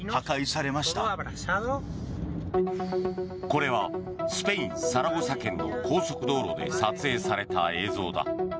これはスペイン・サラゴサ県の高速道路で撮影された映像だ。